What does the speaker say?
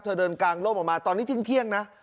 เดินกางร่มออกมาตอนนี้เที่ยงนะ